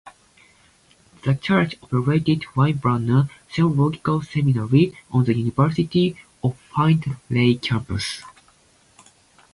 The church operates Winebrenner Theological Seminary on the University of Findlay campus.